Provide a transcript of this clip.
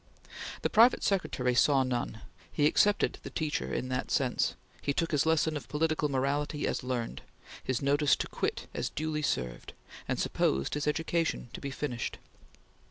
The private secretary saw none; he accepted the teacher in that sense; he took his lesson of political morality as learned, his notice to quit as duly served, and supposed his education to be finished.